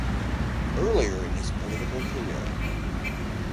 Earlier in his political career.